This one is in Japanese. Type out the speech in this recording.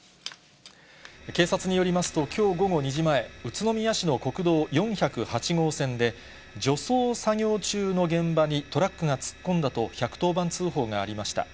警察によりますと、きょう午後２時前、宇都宮市の国道４０８号線で、除草作業中の現場にトラックが突っ込んだと、１１０番通報がありました。